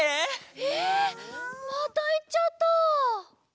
えまたいっちゃった。